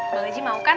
bang haji mau kan